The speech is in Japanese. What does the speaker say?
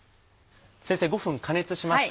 先生５分加熱しました。